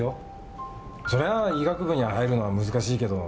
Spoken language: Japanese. そりゃあ医学部に入るのは難しいけど。